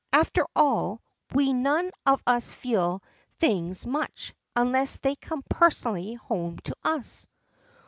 After all we none of us feel things much, unless they come personally home to us.